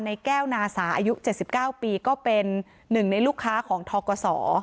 แก้วนาสาอายุ๗๙ปีก็เป็นหนึ่งในลูกค้าของทกศ